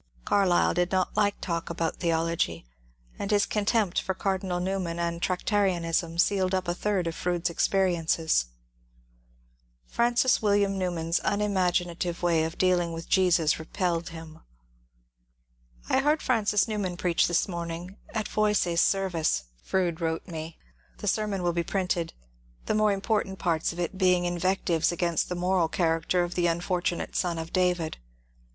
Carlyle did not like talk about theology, and his contempt for Cardinal Newman and Trac tarianism sealed up a third of Fronde's experiences. Francis 208 MONCUEE DANIEL CONWAY William Newman's unimaginative way of dealing with Jesus repelled him. ^^ I heard Francis Newman preach this morning at Voysey's service," Fronde wrote me. The sermon will be printed ; the more important parts of it being invectives against the moral character of the unfortunate son of David.